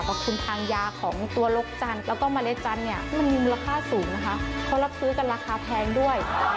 ทุนทางยาของตัวลกจันทร์แล้วก็เมล็ดจันทร์เนี่ยมันมีมูลค่าสูงนะคะเขารับซื้อกันราคาแพงด้วย